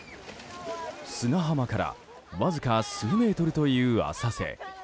砂浜からわずか数メートルという浅瀬。